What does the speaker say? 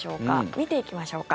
見ていきましょうか。